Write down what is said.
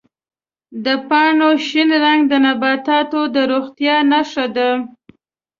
د پاڼو شین رنګ د نباتاتو د روغتیا نښه ده.